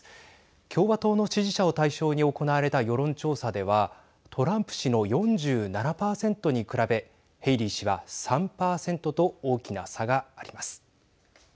共和党の支持者を対象に行われた世論調査ではトランプ氏の４７％に比べヘイリー氏は３％と大きな差があります。